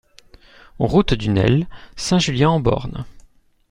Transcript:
Route du Nel, Saint-Julien-en-Born